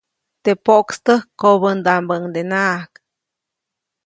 Teʼ poʼkstäk kobändaʼmbäʼuŋdenaʼak.